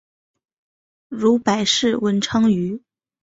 如白氏文昌鱼。